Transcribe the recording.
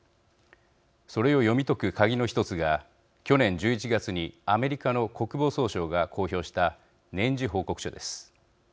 それを読み解くカギの１つが去年１１月にアメリカの国防総省が公表した年次報告書です。